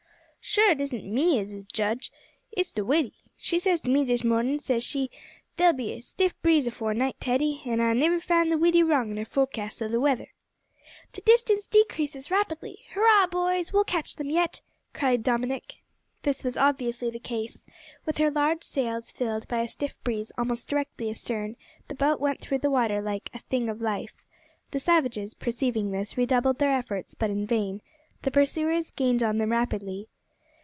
"Sure it isn't me as is judge. It's the widdy. She says to me this mornin', says she, `The'll be a stiff breeze afore night, Teddy,' an' I nivver found the widdy wrong in her forecasts o' the weather." "The distance decreases rapidly! Hurrah! boys, we'll catch them yet," cried Dominick. This was obviously the case. With her large sails filled by a stiff breeze almost directly astern, the boat went through the water like "a thing of life." The savages, perceiving this, redoubled their efforts, but in vain. The pursuers gained on them rapidly.